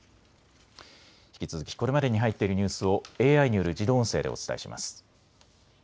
引き続きこれまでに入っているニュースをＡＩによる自動音声でお伝えします。